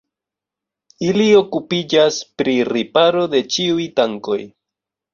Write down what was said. Ili okupiĝas pri riparo de ĉiuj tankoj.